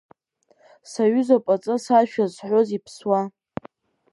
Саҩызоуп аҵыс Ашәа зҳәан иԥсуа.